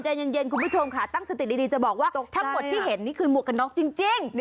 ใจเย็นคุณผู้ชมค่ะตั้งสติดีจะบอกว่าทั้งหมดที่เห็นนี่คือหมวกกันน็อกจริง